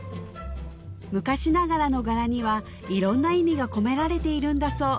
昔ながらの柄には色んな意味が込められているんだそう